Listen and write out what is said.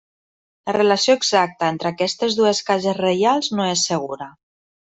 La relació exacta entre aquestes dues cases reials no és segura.